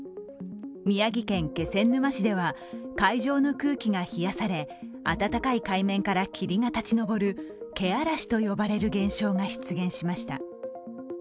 宮城県気仙沼市では海上の空気が冷やされ温かい海面から霧が立ち上る気嵐と呼ばれる現象が出現しました。